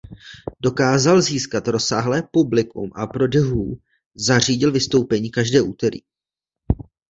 Dokázal získat rozsáhlé publikum a pro The Who zařídil vystoupení každé úterý.